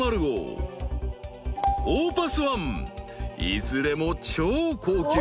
［いずれも超高級。